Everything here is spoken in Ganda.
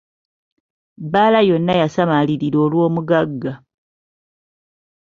Bbaala yonna yasamalirira olw'omugagga.